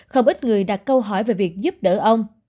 không ít người đặt câu hỏi về việc giúp đỡ ông